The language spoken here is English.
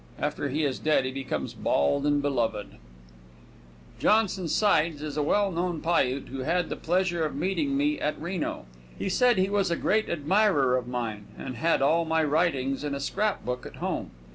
After he is dead he becomes bald and beloved. Johnson Sides is a well known Piute who had the pleasure of meeting me at Reno. He said he was a great admirer of mine and had all my writings in a scrap book at home.